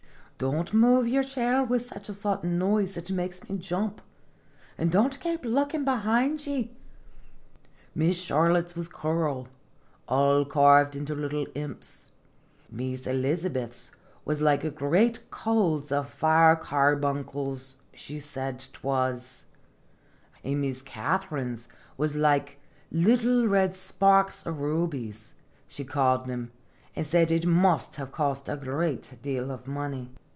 don't move your chair with such a sudden noise, it makes me jump ; an' don't kape lookin' behind ye ! Miss Char lotte's was coral, all carved into little imps ; Miss Elizabeth's was like great coals of fire carbuncles, she said 'twas; an' Miss Kath 72 Singeb arine's was like little red sparks rubies, she called them, an* said it must have cost a great deal of money.